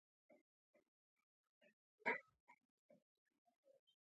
نوې چاره پخوانۍ ستونزه حلوي